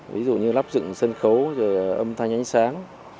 ví dụ như lắp dựng sân khấu rồi âm thanh ánh sáng